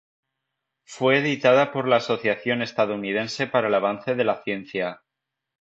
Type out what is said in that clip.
Fue editada por la Asociación Estadounidense para el Avance de la Ciencia.